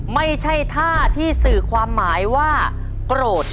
ไม่ใช่ท่าที่สื่อความหมายว่าโกรธ